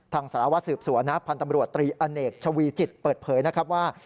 สารวัสสืบสวนนะพันธ์ตำรวจตรีอเนกชวีจิตเปิดเผยนะครับว่า